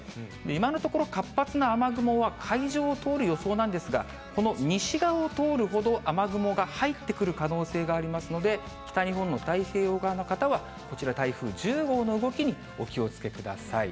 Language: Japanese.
今のところ、活発な雨雲は海上を通る予想なんですが、この西側を通るほど、雨雲が入ってくる可能性がありますので、北日本の太平洋側の方は、こちら、台風１０号の動きにお気をつけください。